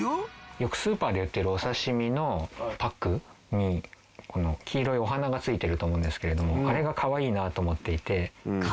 よくスーパーで売ってるお刺身のパックにこの黄色いお花がついてると思うんですけれどもあれがかわいいなと思っていて。